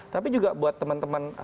tapi juga buat teman teman